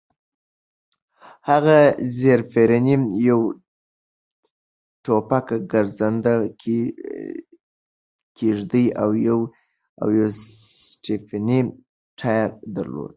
هغه زېرپېرني، یو ټوپک، ګرځنده کېږدۍ او یو سټپني ټایر درلود.